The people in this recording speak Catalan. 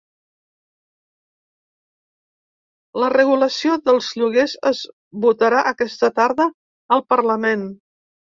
La regulació dels lloguers es votarà aquesta tarda al parlament.